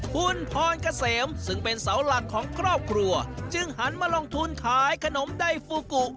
คุณพรเกษมซึ่งเป็นเสาหลักของครอบครัวจึงหันมาลงทุนขายขนมใดฟูกุ